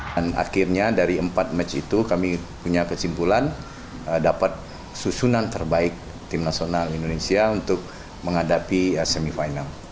dan akhirnya dari empat match itu kami punya kesimpulan dapat susunan terbaik tim nasional indonesia untuk menghadapi semifinal